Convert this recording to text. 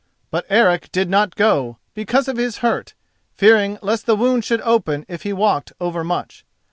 But Eric did not go, because of his hurt, fearing lest the wound should open if he walked overmuch.